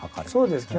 そうです。